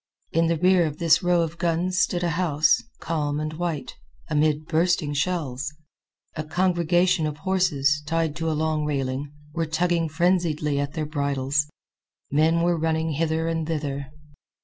In the rear of this row of guns stood a house, calm and white, amid bursting shells. A congregation of horses, tied to a long railing, were tugging frenziedly at their bridles. Men were running hither and thither.